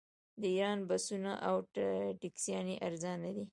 د ایران بسونه او ټکسیانې ارزانه دي.